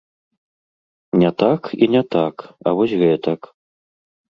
Не так і не так, а вось гэтак.